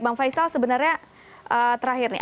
bang faisal sebenarnya terakhir nih